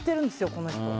この人。